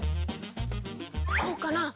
こうかな？